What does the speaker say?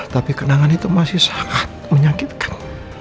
tapi kenangan itu masih sangat menyakitkan